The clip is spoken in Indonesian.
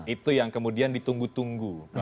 itu yang kemudian ditunggu tunggu